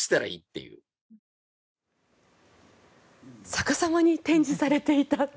逆さまに展示されていた。